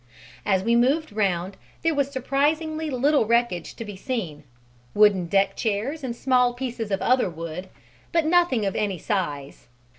As we moved round, there was surprisingly little wreckage to be seen: wooden deck chairs and small pieces of other wood, but nothing of any size.